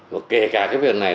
và kể cả cái việc này